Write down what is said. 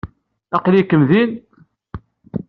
Aql-ikem din?